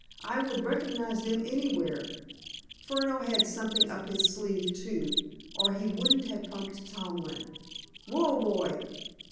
I would recognize them anywhere. Furneaux had something up his sleeve, too, or he wouldn't have pumped Tomlin... Woa, boy!